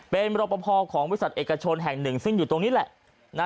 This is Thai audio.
เป็นรอปภของบริษัทเอกชนแห่งหนึ่งซึ่งอยู่ตรงนี้แหละ